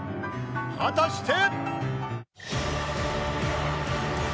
［果たして］